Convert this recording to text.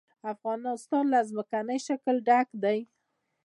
افغانستان له ځمکنی شکل ډک دی.